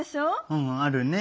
うんあるね。